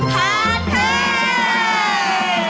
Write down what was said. คือว่าทานแทน